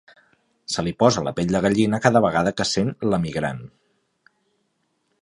Se li posa la pell de gallina cada vegada que sent "L'emigrant".